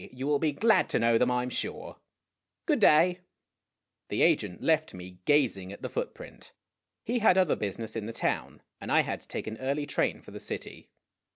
You will be glad to know them, I 'm sure ! Good clay !" The agent left me gazing at the footprint. He had other busi ness in the town, and I had to take an early train for the city.